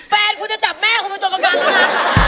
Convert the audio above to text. แฟนคุณจะจับแม่คุณเป็นตัวประกันแล้วนะ